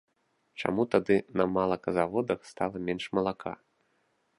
Чаму тады на малаказаводах стала менш малака?